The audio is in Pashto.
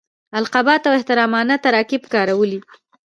القابات او احترامانه تراکیب کارولي.